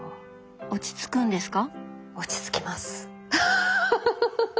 落ち着くんですか？